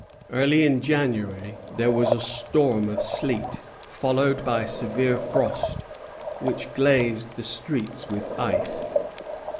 Early in January there was a storm of sleet, followed by severe frost, which glazed the streets with ice.